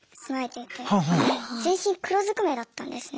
全身黒ずくめだったんですね。